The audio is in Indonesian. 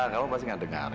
kamu pasti enggak dengar